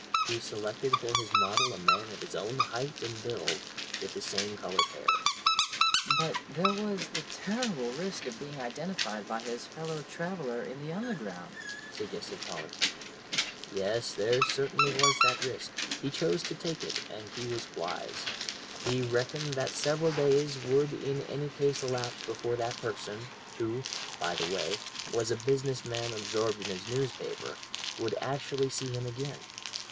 He selected for his model a man his own height and build, with the same coloured hair." "But there was the terrible risk of being identified by his fellow traveller in the Underground," suggested Polly. "Yes, there certainly was that risk; he chose to take it, and he was wise. He reckoned that several days would in any case elapse before that person, who, by the way, was a business man absorbed in his newspaper, would actually see him again.